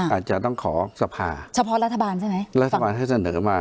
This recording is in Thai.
อาจจะต้องขอสภาเฉพาะรัฐบาลใช่ไหมรัฐบาลให้เสนอมา